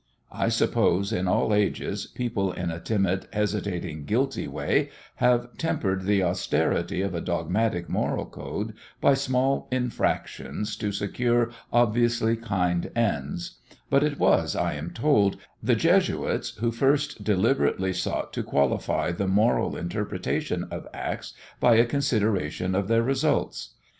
I suppose in all ages people in a timid, hesitating, guilty way have tempered the austerity of a dogmatic moral code by small infractions to secure obviously kindly ends, but it was, I am told, the Jesuits who first deliberately sought to qualify the moral interpretation of acts by a consideration of their results.